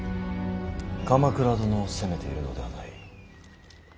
鎌倉殿を責めているのではない。